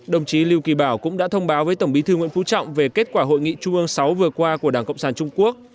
đồng chí lưu kỳ bảo cũng đã thông báo với tổng bí thư nguyễn phú trọng về kết quả hội nghị trung ương sáu vừa qua của đảng cộng sản trung quốc